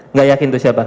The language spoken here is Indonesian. iya gak yakin itu siapa